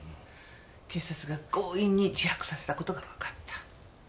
警察が強引に自白させた事がわかった。